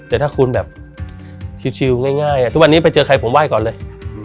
แต่ถ้าคุณแบบชิลง่ายทุกวันนี้ไปเจอใครผมไห้ก่อนเลย